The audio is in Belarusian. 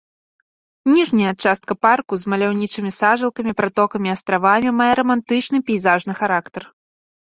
Ніжняя частка парку з маляўнічымі сажалкамі, пратокамі і астравамі мае рамантычны пейзажны характар.